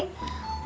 udah ma fi